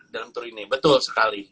dalam tour ini betul sekali